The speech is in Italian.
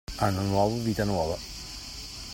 Anno nuovo, vita nuova.